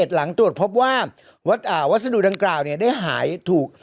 หลังตรวจพบว่าวัสดุดังกล่าวได้หายถูก